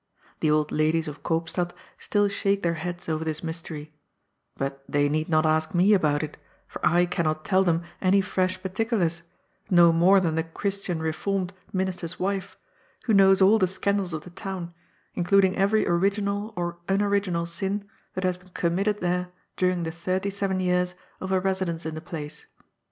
The old ladies of Eoopstad still shake their heads over this mystery ; but they need not ask me about it, for I can not tell them any fresh particulars, no more than the " Christian Beformed " minister's wife, who knows all the scandals of the town, including every original or unoriginal sin that has been committed there during the thirty seven years of her residence in the place.